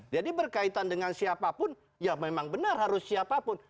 jadi berkaitan dengan siapapun ya memang benar harus siapapun